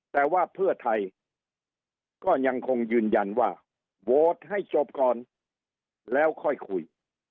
แต่ว่าเพื่อไทยก็ยังคงยืนยันว่าโหวตให้จบก่อนแล้วค่อยคุย